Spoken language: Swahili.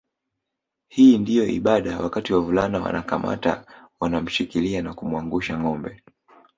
Hii ndio ibada wakati wavulana wanakamata wanamshikilia na kumwangusha ngâombe